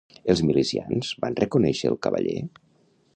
Els milicians van reconèixer el cavaller?